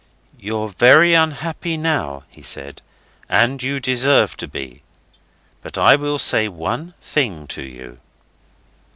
'You're very unhappy now,' he said, 'and you deserve to be. But I will say one thing to you.